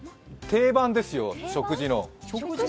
定番ですよ、食事の。